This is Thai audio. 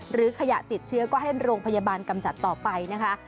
หรือขยะติดเชื้อก็ให้โรงพยาบาลกำจัดต่อไปนะคะ